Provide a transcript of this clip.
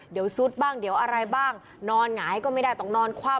เดี๋ยวซุดบ้างเดี๋ยวอะไรบ้างนอนหงายก็ไม่ได้ต้องนอนคว่ำ